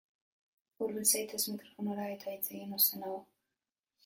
Hurbil zaitez mikrofonora eta hitz egin ozenago.